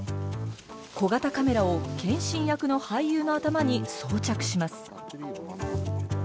小型カメラを謙信役の俳優の頭に装着します。